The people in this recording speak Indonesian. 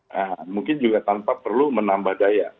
nah mungkin juga tanpa perlu menambah daya